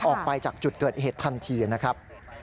ออกไปจากจุดเกิดเหตุทันทีนะครับ